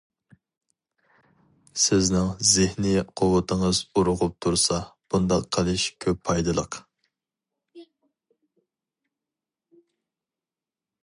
سىزنىڭ زېھنى قۇۋۋىتىڭىز ئۇرغۇپ تۇرسا، بۇنداق قىلىش كۆپ پايدىلىق.